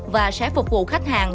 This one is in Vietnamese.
và sẽ phục vụ khách hàng